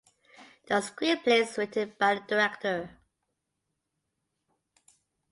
The screenplay is written by the director.